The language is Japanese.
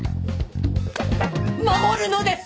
守るのです！